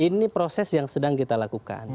ini proses yang sedang kita lakukan